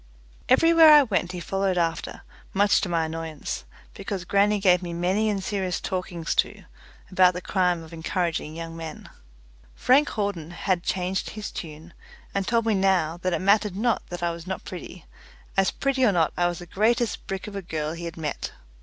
Everywhere I went he followed after, much to my annoyance, because grannie gave me many and serious talkings to about the crime of encouraging young men. Frank Hawden had changed his tune, and told me now that it mattered not that I was not pretty, as pretty or not I was the greatest brick of a girl he had met.